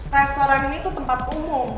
restoran ini itu tempat umum